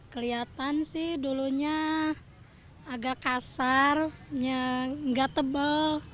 kelihatan sih dulunya agak kasarnya nggak tebal